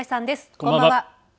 こんばんは。